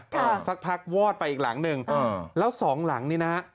สักพักวอดไปอีกหลังหนึ่งเออแล้วสองหลังนี่นะฮะ